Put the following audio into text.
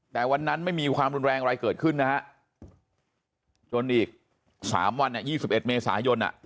แต่วันนั้นไม่มีความรุนแรงอะไรเกิดขึ้นนะฮะจนอีก๓วัน๒๑เมษายน